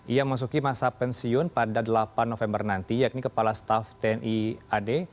ia masuki masa pensiun pada delapan november nanti yakni kepala staff tni ad